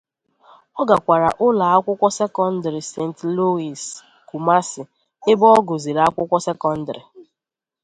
Ọ gakwara ụlọ akwụkwọ sekọndrị St. Louis, Kumasi, ebe ọ gụsịrị akwụkwọ sekọndrị.